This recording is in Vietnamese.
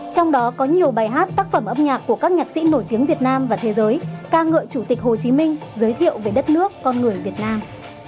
trong đó có nhiều bài hát tác phẩm âm nhạc của các nhạc sĩ nổi tiếng việt nam và thế giới ca ngợi chủ tịch hồ chí minh giới thiệu về đất nước con người việt nam